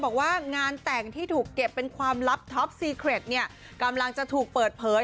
บอกว่างานแต่งที่ถูกเก็บเป็นความลับท็อปซีเครตเนี่ยกำลังจะถูกเปิดเผย